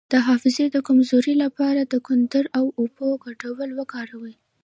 د حافظې د کمزوری لپاره د کندر او اوبو ګډول وکاروئ